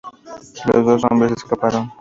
Los dos hombres escaparon.